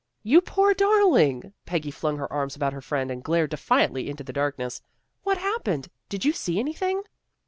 " You poor darling! " Peggy flung her arms about her friend and glared defiantly into the darkness. " What happened? Did you see anything?